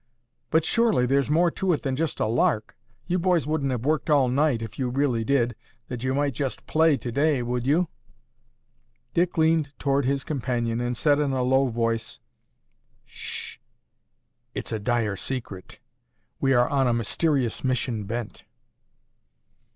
"But, surely there's more to it than just a lark. You boys wouldn't have worked all night, if you really did, that you might just play today, would you?" Dick leaned toward his companion and said in a low voice, "Shh! It's a dire secret! We are on a mysterious mission bent."